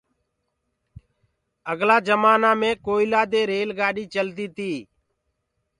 اگلآ جمآنآ مي گوئِيلآ دي ريل گآڏي چلدي تي۔